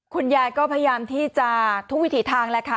คุณยายก็พยายามที่จะทุกวิถีทางแหละค่ะ